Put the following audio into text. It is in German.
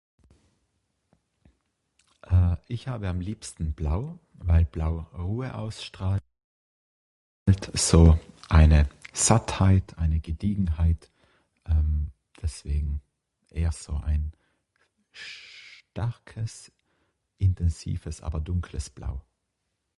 Eh ich habe am liebsten Blau, weil Blau Ruhe ausstrahlt. So eine Sattheit eine Gediegenheit ehm deswegen eher so ein starkes, intensives aber dunkles Blau.